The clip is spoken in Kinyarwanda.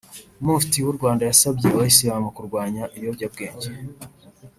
Mufti w’u Rwanda yasabye abayisilamu kurwanya ibiyobyabwenge